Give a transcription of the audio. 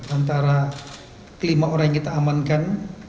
antara kelima orang yang kita amankan